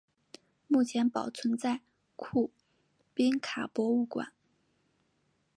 目前保存在库宾卡博物馆。